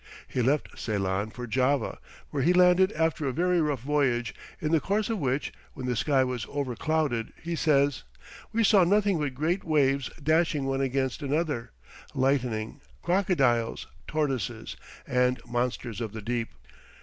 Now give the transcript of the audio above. He left Ceylon for Java, where he landed after a very rough voyage, in the course of which, when the sky was overclouded, he says, "we saw nothing but great waves dashing one against another, lightning, crocodiles, tortoises, and monsters of the deep."